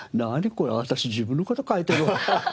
これ私自分の事書いてる」。